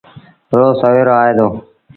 روز سويرو آئي دو۔